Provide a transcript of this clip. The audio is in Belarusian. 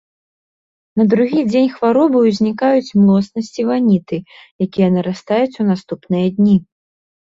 На другі дзень хваробы ўзнікаюць млоснасць і ваніты, якія нарастаюць у наступныя дні.